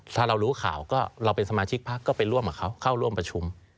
ถ้าเรารู้ข่าวก็เราเป็นสมาชิกพักก็ไปร่วมกับเขาเข้าร่วมประชุม